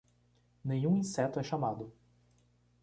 Nenhum inseto é chamado